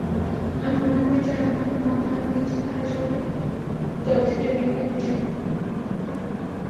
আমি মনে করি, যাঁরা আমাকে মনোনয়ন দিয়েছেন, তাঁরা সবাই চলচ্চিত্রের বিজ্ঞ বিচারক।